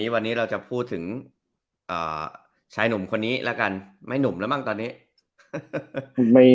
วันนี้เราจะพูดถึงชายหนุ่มคนนี้แล้วกันไม่หนุ่มแล้วมั้งตอนนี้